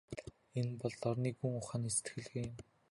Энэ бол дорнын гүн ухааны сэтгэлгээ юм.